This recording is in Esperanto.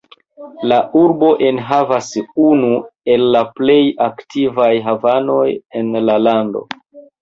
La urbo enhavas unu el la plej aktivaj havenoj en la lando.